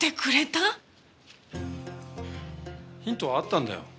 ヒントはあったんだよ